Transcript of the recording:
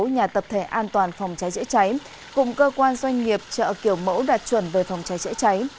nhà tập thể an toàn phòng cháy chữa cháy cùng cơ quan doanh nghiệp chợ kiểu mẫu đạt chuẩn về phòng cháy chữa cháy